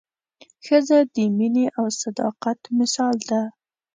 ښځه د مینې او صداقت مثال ده.